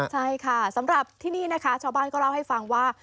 ใช่ค่ะสำหรับที่นี่นะคะชาวบ้านก็เล่าให้ฟังว่า